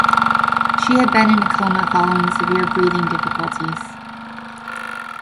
She had been in a coma following severe breathing difficulties.